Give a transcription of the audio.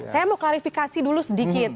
saya mau klarifikasi dulu sedikit